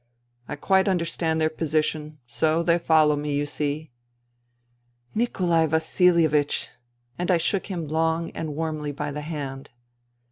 I quite understand their position. So they follow me, you see. ..."" Nikolai Vasilievich !" And I shook him long and warmly by the hand.